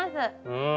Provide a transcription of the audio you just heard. うん。